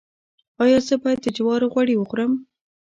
ایا زه باید د جوارو غوړي وخورم؟